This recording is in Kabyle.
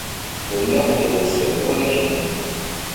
Ur lliɣ nekk d awessar wala kemm.